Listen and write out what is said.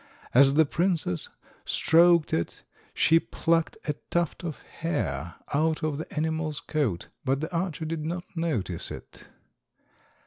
As the princess stroked it she plucked a tuft of hair out of the animal's coat, but the archer did not notice it.